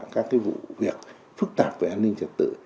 các vụ việc phức tạp về an ninh trật tự